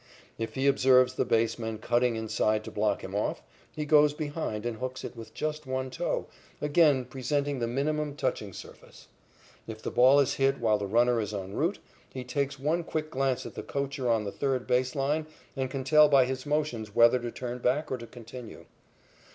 If he observes the baseman cutting inside to block him off, he goes behind and hooks it with just one toe, again presenting the minimum touching surface. If the ball is hit while the runner is en route, he takes one quick glance at the coacher on the third base line and can tell by his motions whether to turn back or to continue.